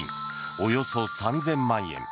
およそ３０００万円。